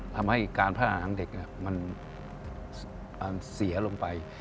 ทำให้การพัฒนาของเด็กมันเสียลงไป